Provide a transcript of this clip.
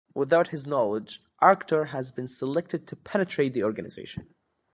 Without his knowledge, Arctor has been selected to penetrate the organization.